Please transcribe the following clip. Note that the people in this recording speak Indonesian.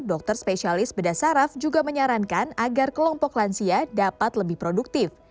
dokter spesialis bedah saraf juga menyarankan agar kelompok lansia dapat lebih produktif